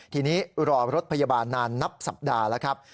ทีนี้รอรถพยาบาลนานนับสัปดาห์แล้วครับ